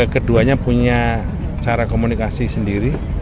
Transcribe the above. keduanya punya cara komunikasi sendiri